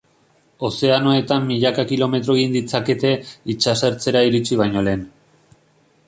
Ozeanoetan milaka kilometro egin ditzakete itsasertzera iritsi baino lehen.